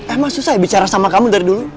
emang susah ya bicara sama kamu dari dulu